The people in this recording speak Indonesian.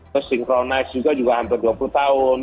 terus synchronize juga hampir dua puluh tahun